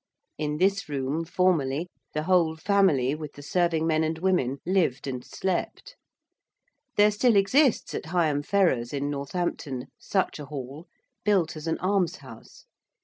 In this room, formerly, the whole family, with the serving men and women, lived and slept. There still exists at Higham Ferrars, in Northampton, such a hall, built as an almshouse.